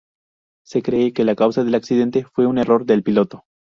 Se cree que la causa del accidente fue un error del piloto.